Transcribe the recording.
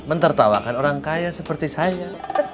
mentertawakan orang kaya seperti saya